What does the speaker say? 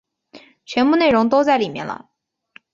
全部内容都在里面了